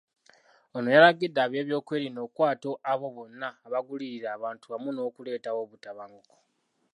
Ono yalagidde ab'ebyokwerinda okukwata abo bonna abagulirira abantu wamu n'okuleetawo obutabanguko.